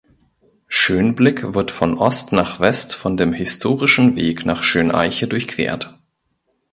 Schönblick wird von Ost nach West von dem historischen Weg nach Schöneiche durchquert.